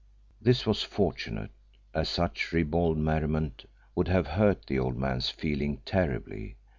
This was fortunate, as such ribald merriment would have hurt the old man's feelings terribly.